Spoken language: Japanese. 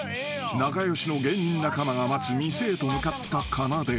［仲良しの芸人仲間が待つ店へと向かったかなで］